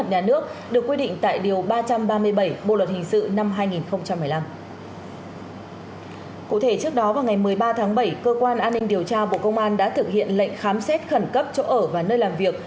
cụ thể trước đó vào ngày một mươi ba tháng bảy cơ quan an ninh điều tra bộ công an đã thực hiện lệnh khám xét khẩn cấp chỗ ở và nơi làm việc